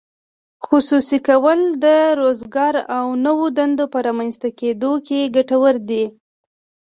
خصوصي کول د روزګار او نوو دندو په رامینځته کیدو کې ګټور دي.